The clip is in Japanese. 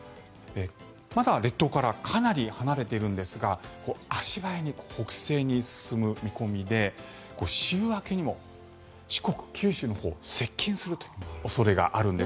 まだ列島からかなり離れているんですが足早に北西に進む見込みで週明けにも四国、九州のほうに接近する恐れがあるんです。